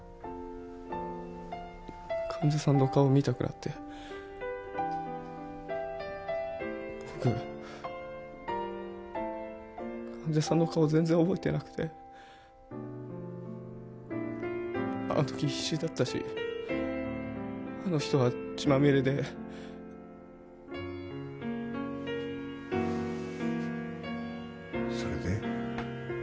患者さんの顔を見たくなって僕患者さんの顔全然覚えてなくてあのとき必死だったしあの人は血まみれでそれで？